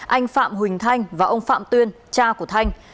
anh phạm huỳnh thanh và ông phạm tuyên cha của thanh